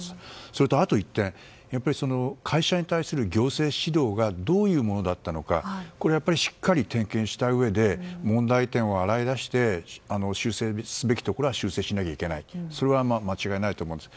それとあと１点会社に対する行政指導がどういうものだったのかこれはしっかり点検したうえで問題点を洗い出し修正すべきところは修正しなければならないのは間違いないと思います。